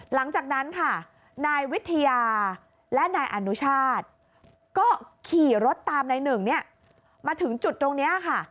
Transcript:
หลังจากนั้นค่ะนายวิทยาและนายอนุชาติก็ขี่รถตามนายหนึ่งเนี่ยมาถึงจุดตรงนี้ค่ะ